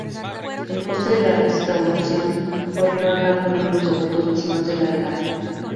El coste de la restauración corrió a cargo de unos devotos vecinos de Algarra.